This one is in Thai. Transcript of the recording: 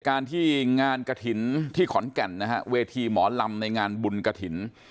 การที่งานกระถิ่นที่ขอนแก่นนะฮะเวทีหมอลำในงานบุญกระถิ่น